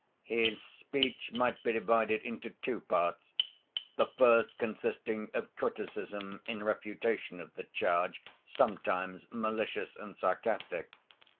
His speech might be divided into two parts, the first consisting of criticism in refutation of the charge, sometimes malicious and sarcastic.